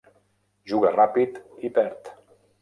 Juga ràpid i perd.